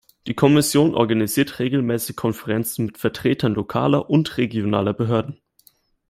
Die Kommission organisiert regelmäßig Konferenzen mit Vertretern lokaler und regionaler Behörden.